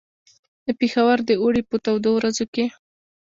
د پېښور د اوړي په تودو ورځو کې.